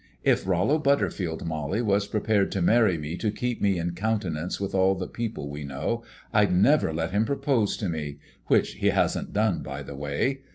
"If Rollo Butterfield, Mollie, was prepared to marry me to keep me in countenance with all the people we know, I'd never let him propose to me which he hasn't done, by the way.